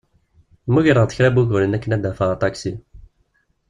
Mmugreɣ-d kra n wuguren akken ad d-afeɣ aṭaksi.